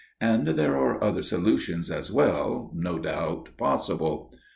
And there are other solutions as well, no doubt possible.